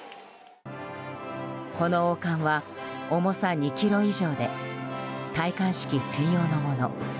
この王冠は重さ２ｋｇ以上で戴冠式専用のもの。